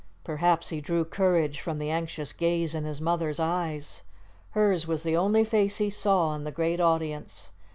Perhaps he drew courage from the anxious gaze in his mother's eyes. Hers was the only face he saw in the great audience.